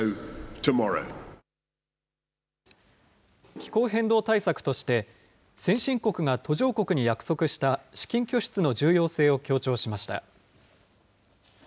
気候変動対策として、先進国が途上国に約束した資金拠出の重要性を強調しました。